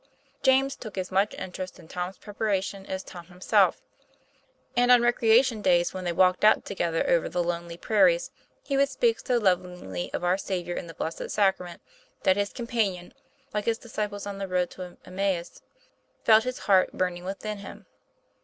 James took as much interest in Tom's preparation as Tom himself; and on recreation days, when they walked out together over the lonely prai ries, he would speak so lovingly of Our Saviour in the Blessed Sacrament, that his companion, like the disciples on the road to Emmaus, felt his heart burning within him.